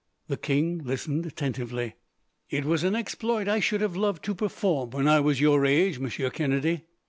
The king listened attentively. "It was an exploit I should have loved to perform, when I was your age, Monsieur Kennedy.